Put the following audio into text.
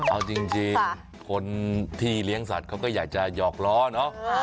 เอาจริงคนที่เลี้ยงสัตว์เขาก็อยากจะหยอกล้อเนอะ